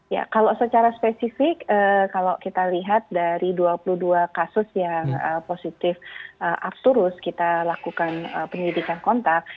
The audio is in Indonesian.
ya kalau secara spesifik kalau kita lihat dari dua puluh dua kasus yang positif absurus kita lakukan penyelidikan kontak